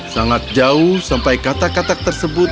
sangat jauh sampai katak katak tersebut